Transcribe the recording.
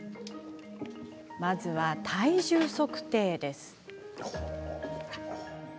まずは体重測定です。